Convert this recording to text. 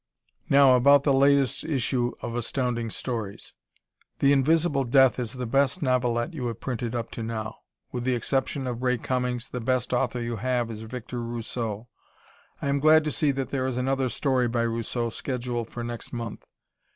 Now about the latest issue of Astounding Stories. "The Invisible Death" is the best novelette you have printed up to now. With the exception of Ray Cummings, the best author you have is Victor Rousseau. I am glad to see that there is another story by Rousseau scheduled for next month.